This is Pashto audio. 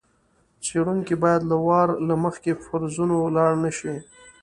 څېړونکی باید له وار له مخکې فرضونو لاړ نه شي.